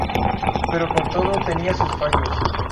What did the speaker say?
Pero con todo, tenía sus fallos.